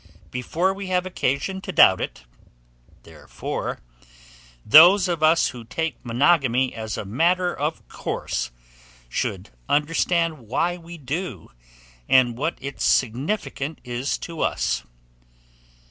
Before we have occasion to doubt it, therefore, those of us who take monogamy as a matter of course should understand why we do, and what its significance is to us.